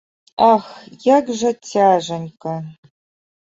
Ах, як жа цяжанька!